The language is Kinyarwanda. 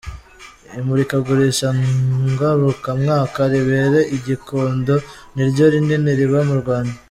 Imurikagurisha ngarukamwaka ribera i Gikondo, niryo rinini riba mu Rwanda.